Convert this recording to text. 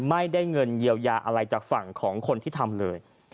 ไม่ได้เงินเยียวยาอะไรจากฝั่งของคนที่ทำเลย